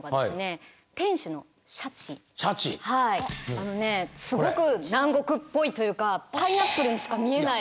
あのねすごく南国っぽいというかパイナップルにしか見えない。